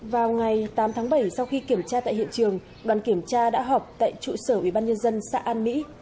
vào ngày tám tháng bảy sau khi kiểm tra tại hiện trường đoàn kiểm tra đã họp tại trụ sở ủy ban nhân dân xã an mỹ